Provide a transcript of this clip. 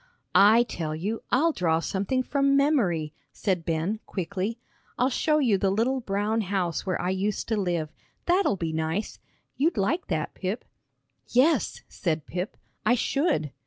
"I tell you, I'll draw something from memory," said Ben, quickly. "I'll show you the little brown house where I used to live that'll be nice. You'd like that, Pip." "Yes," said Pip, "I should."